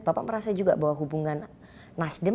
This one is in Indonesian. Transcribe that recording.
bapak merasa juga bahwa hubungan nasdem